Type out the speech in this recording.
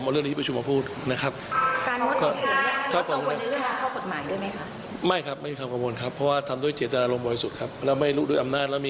เรียบร้อยครับผมคิดว่ามันไม่เหมาะสม